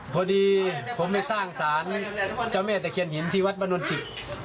พอดีผมไปสร้างศาลเจ้าแม่แต่เขียนหินที่วัดบะโน่นจิก